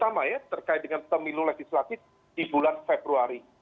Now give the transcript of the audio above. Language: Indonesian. jika dipercaya terkait dengan pemilu legislatif di bulan februari